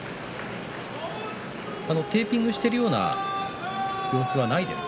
テーピングしているような様子はないです。